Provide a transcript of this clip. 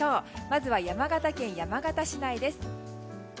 まずは山形県山形市内です。